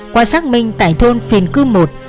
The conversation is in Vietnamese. qua xác minh tại thôn phiền cư một